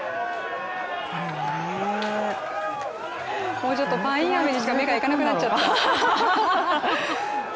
もうちょっとパインアメにしか目がいかなくなっちゃった。